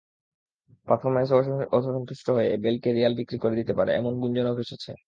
পারফরম্যান্সে অসন্তুষ্ট হয়ে বেলকে রিয়াল বিক্রি করে দিতে পারে, এমন গুঞ্জনও ভেসেছে।